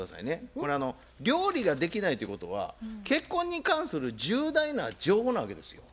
これ料理ができないということは結婚に関する重大な情報なわけですよ。